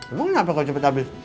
emang kenapa kalau cepet abis